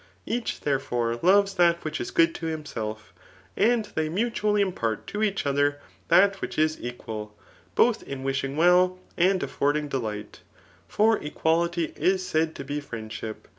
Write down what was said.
Each, therefore, loves that which is good to himself, and they mutually impart to each other that which is equal, both in wishing well and affording delight ; for equality is said to be friendship.